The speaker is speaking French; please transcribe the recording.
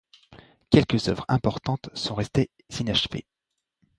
Quelques œuvres importantes sont restées inachevées.